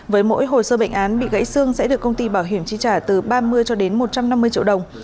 với mỗi hồ sơ bệnh án bị gãy xương sẽ được công ty bảo hiểm chi trả từ ba mươi cho đến một trăm năm mươi triệu đồng